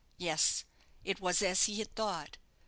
Yes: it was as he had thought.